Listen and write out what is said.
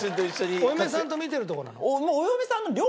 お嫁さんと見てるとこなの？